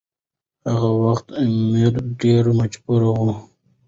هغه وخت امیر ډیر مجبور و.